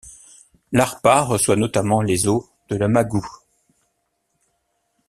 L'Arpa reçoit notamment les eaux de l'Amaghou.